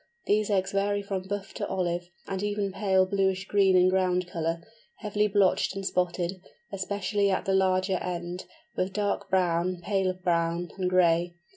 These eggs vary from buff to olive, and even pale bluish green in ground colour, heavily blotched and spotted, especially at the larger end, with dark brown, paler brown, and gray.